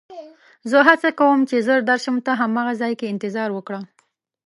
زه هڅه کوم چې ژر درشم، ته هماغه ځای کې انتظار وکړه.